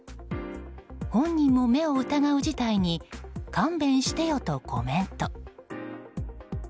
本人も目を疑う事態に勘弁してよとコメント。